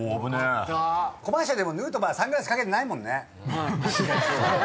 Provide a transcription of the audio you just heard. コマーシャルでもヌートバーサングラス掛けてないもんね。